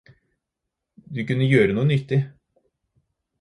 Du kunne gjøre noe nyttig